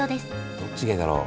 どっちがいいだろう？